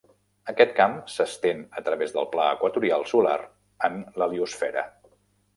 Aquest camp s'estén a través del pla equatorial solar en l'heliosfera.